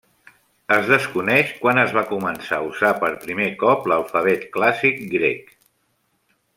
Es desconeix quan es va començar a usar per primer cop l'alfabet clàssic grec.